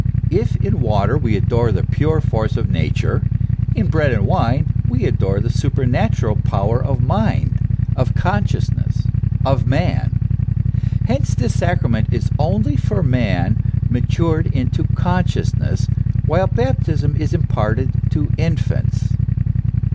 If in water we adore the pure force of Nature, in bread and wine we adore the supernatural power of mind, of con sciousness, of man. Hence this sacrament is only for man matured into consciousness ; while baptism is imparted to in fants.